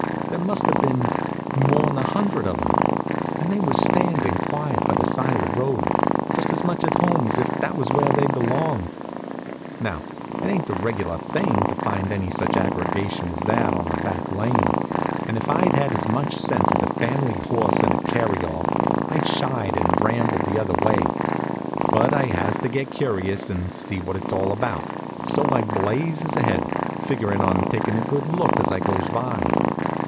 There must have been more'n a hundred of 'em, and they was standin' quiet by the side of the road, just as much to home as if that was where they belonged. Now, it ain't the reg'lar thing to find any such aggregation as that on a back lane, and if I'd had as much sense as a family horse in a carryall I'd shied and rambled the other way. But I has to get curious to see what it's all about, so I blazes ahead, figurin' on takin' a good look as I goes by.